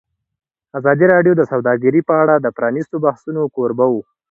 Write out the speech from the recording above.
ازادي راډیو د سوداګري په اړه د پرانیستو بحثونو کوربه وه.